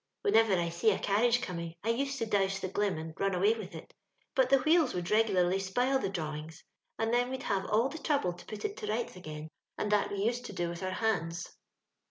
Whenever I see a carriage coming I used to douse the glim and run away with it, but the wheels would regularly spile the drawings, and then we'd have all the trouble to put it to rights again, and that we used to do with our hands.